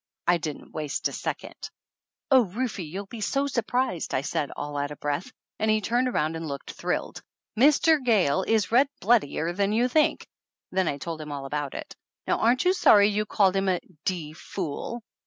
I didn't waste a second. "Oh, Rufe, you'll be surprised!" I said, all out of breath, and he turned around and looked thrilled. "Mr. Gayle is red bloodier than you think!" Then I told him all about it. "Now aren't you sorry you called him a d fool?"